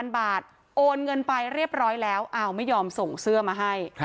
บาทโอนเงินไปเรียบร้อยแล้วอ้าวไม่ยอมส่งเสื้อมาให้